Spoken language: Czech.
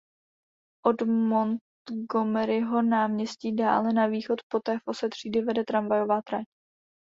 Od Montgomeryho náměstí dále na východ poté v ose třídy vede tramvajová trať.